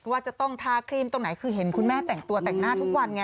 ว่าจะต้องทาครีมตรงไหนคือเห็นคุณแม่แต่งตัวแต่งหน้าทุกวันไง